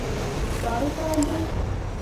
Toreto pek